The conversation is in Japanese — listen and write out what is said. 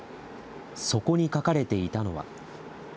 そこに書かれていたのは。